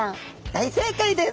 大正解です！